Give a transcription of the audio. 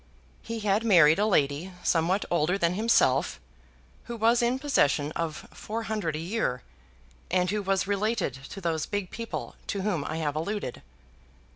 He had married a lady somewhat older than himself, who was in possession of four hundred a year, and who was related to those big people to whom I have alluded.